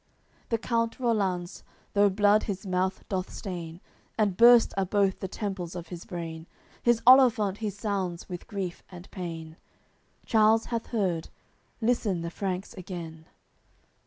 AOI. CXXXV The count Rollanz, though blood his mouth doth stain, And burst are both the temples of his brain, His olifant he sounds with grief and pain; Charles hath heard, listen the Franks again.